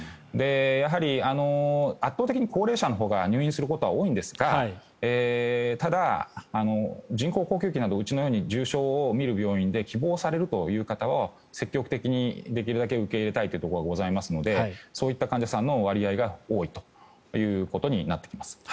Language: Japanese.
やはり圧倒的に高齢者のほうが入院することは多いんですがただ、人工呼吸器などうちのように重症を診る病院で希望されるという方は積極的にできるだけ受け入れたいということがございますのでそういった患者さんの割合が多いということになってきます。